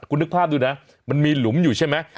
คุณนึกภาพดูนะมันมีหลุมอยู่ใช่ไหม